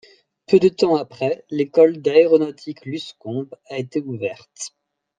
Peu de temps après, l'École d'aéronautique Luscombe a été ouverte.